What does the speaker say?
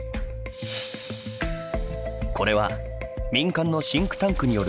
これは民間のシンクタンクによる将来予測。